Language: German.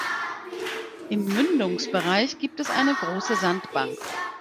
Im Mündungsbereich gibt es eine große Sandbank.